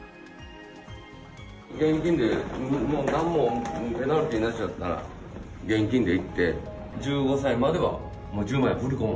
現金でなんもペナルティーなしだったら現金でいって、１５歳までは１０万円振り込む。